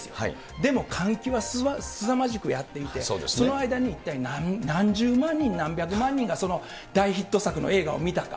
でも換気はすさまじくやっていて、その間に一体何十万人、何百万人がその大ヒット作の映画を見たか。